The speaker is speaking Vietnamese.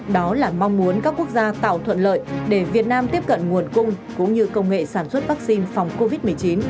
đó là mong muốn các quốc gia tạo thuận lợi để việt nam tiếp cận nguồn cung cũng như công nghệ sản xuất vaccine phòng covid một mươi chín